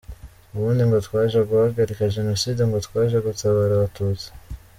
Ubundi ngo twaje guhagarika Jenoside ngo twaje gutabara Abatutsi.